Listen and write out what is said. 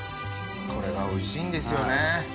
これがおいしいんですよね。